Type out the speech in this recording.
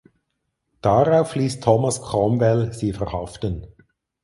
Darauf ließ Thomas Cromwell sie verhaften.